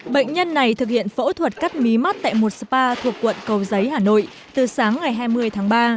bệnh nhân này thực hiện phẫu thuật cắt mí mắt tại một spa thuộc quận cầu giấy hà nội từ sáng ngày hai mươi tháng ba